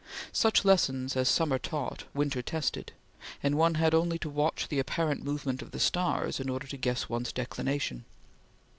Such lessons as summer taught, winter tested, and one had only to watch the apparent movement of the stars in order to guess one's declination.